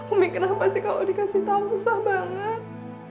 umi kenapa sih kalo dikasih tau susah banget